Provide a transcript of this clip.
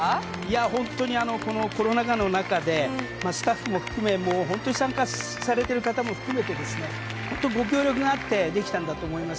本当に、コロナ禍の中でスタッフも含め本当に参加されている方も含めてご協力があってできたんだと思います。